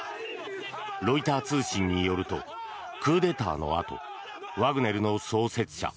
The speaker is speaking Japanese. ロイター通信によるとクーデターのあとワグネルの創設者